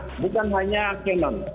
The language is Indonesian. nah bukan hanya kanun